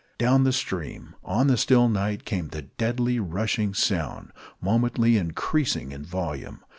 Down the stream, on the still night, came the deadly, rushing sound, momently increasing in volume.